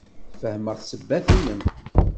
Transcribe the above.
Fehmeɣ ssebbat-inem.